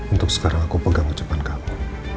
untuk sekarang aku pegang ucapan kamu